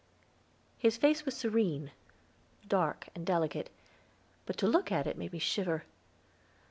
His face was serene, dark, and delicate, but to look at it made me shiver.